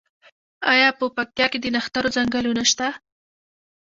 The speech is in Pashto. آیا په پکتیا کې د نښترو ځنګلونه شته؟